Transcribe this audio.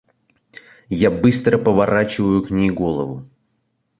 Я быстро поворачиваю к ней голову.